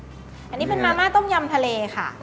อันนึงอันนี้เป็นม้าต้มยำทะเลค่ะ